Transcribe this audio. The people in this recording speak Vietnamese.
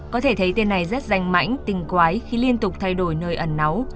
có thể thấy tên này rất danh mãnh tinh quái khi liên tục thay đổi nơi ẩn náu